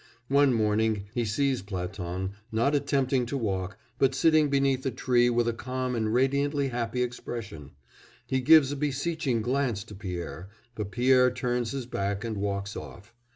One morning he sees Platon, not attempting to walk, but sitting beneath a tree with a calm and radiantly happy expression; he gives a beseeching glance to Pierre, but Pierre turns his back and walks off.